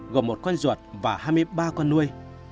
gồm một con ruột và hai mươi ba con nuôi